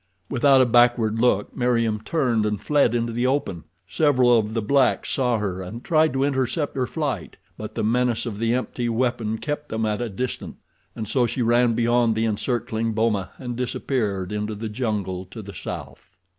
Without a backward look Meriem turned and fled into the open. Several of the blacks saw her and tried to intercept her flight, but the menace of the empty weapon kept them at a distance. And so she won beyond the encircling boma and disappeared into the jungle to the south.